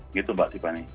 begitu mbak tiffany